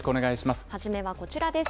初めはこちらです。